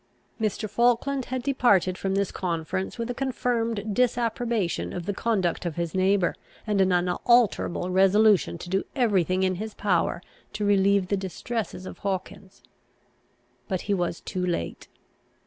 Mr. Falkland had departed from this conference with a confirmed disapprobation of the conduct of his neighbour, and an unalterable resolution to do every thing in his power to relieve the distresses of Hawkins. But he was too late.